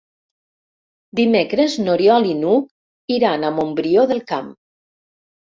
Dimecres n'Oriol i n'Hug iran a Montbrió del Camp.